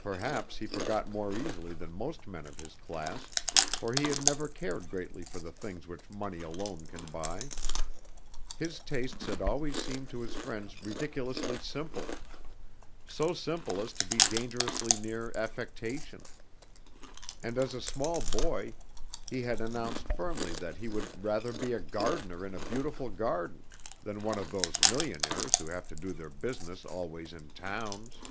Perhaps he forgot more easily than most men of his class, for he had never cared greatly for the things which money alone can buy. His tastes had always seemed to his friends ridiculously simple, so simple as to be dangerously near affectation; and as a small boy he had announced firmly that he would "rather be a gardener in a beautiful garden, than one of those millionaires who have to do their business always in towns."